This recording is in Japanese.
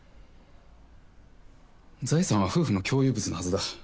財産は夫婦の共有物のはずだ。